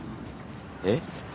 えっ？